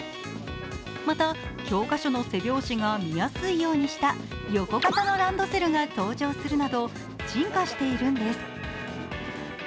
また、教科書の背表紙が見やすいようにした横型のランドセルが登場するなど、進化しているんです。